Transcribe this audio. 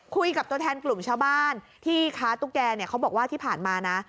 ตัวแทนกลุ่มชาวบ้านที่ค้าตุ๊กแกเนี่ยเขาบอกว่าที่ผ่านมานะ